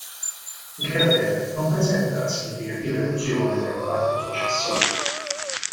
Il cratere non presenta significativa erosione da impatti successivi.